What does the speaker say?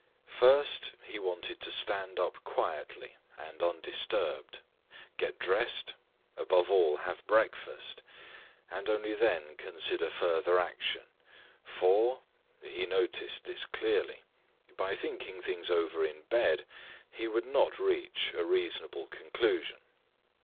First he wanted to stand up quietly and undisturbed, get dressed, above all have breakfast, and only then consider further action, for—he noticed this clearly—by thinking things over in bed he would not reach a reasonable conclusion.